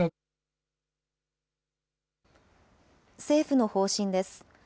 政府の方針です。